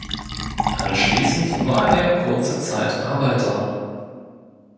Anschließend war er kurze Zeit Arbeiter.